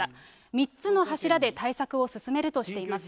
３つの柱で対策を進めるとしています。